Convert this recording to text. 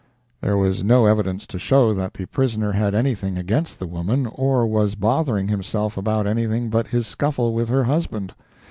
There was no evidence to show that the prisoner had anything against the woman, or was bothering himself about anything but his scuffle with her husband.